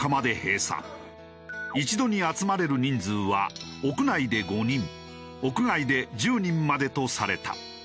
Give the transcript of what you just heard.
一度に集まれる人数は屋内で５人屋外で１０人までとされた。